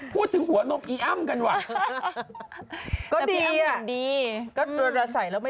พูดถึงฮัวโน้มไอ้อำกันนวะ